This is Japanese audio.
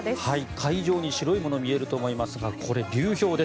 海上に白いもの見えると思いますがこれ、流氷です。